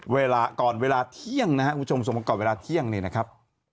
เวลาก่อนเวลาเที่ยงนะครับคุณผู้ชมส่งมาก่อนเวลาเที่ยงนี่นะครับ